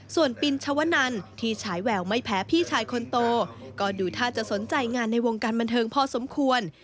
ส่วนปินชวนันที่ฉายแววไม่แพ้พี่ชายคนโตก็ดูท่าจะสนใจงานในวงการบันเทิงพอสมควร